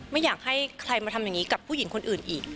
ไม่อยากให้ใครมาทำอย่างนี้กับผู้หญิงคนอื่นอีก